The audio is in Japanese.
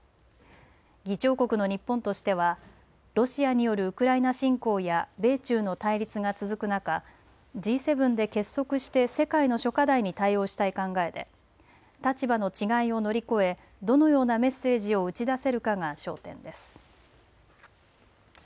議長国の日本としてはロシアによるウクライナ侵攻や米中の対立が続く中、Ｇ７で結束して世界の諸課題に対応したい考えで立場の違いを乗り越えどのようなメッセージを打ち出せるかが焦点です。